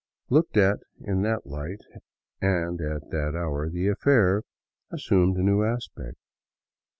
Looked at in that light, and at that hour, the affair as sumed a new. aspect.